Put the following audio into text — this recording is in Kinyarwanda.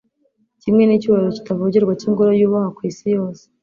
kimwe n'icyubahiro kitavogerwa cy'ingoro yubahwa ku isi yose